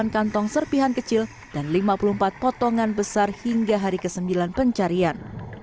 delapan kantong serpihan kecil dan lima puluh empat potongan besar hingga hari ke sembilan pencarian